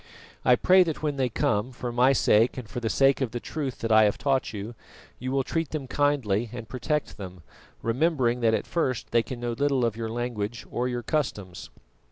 I pray that when they come, for my sake and for the sake of the truth that I have taught you, you will treat them kindly and protect them, remembering that at first they can know little of your language or your customs."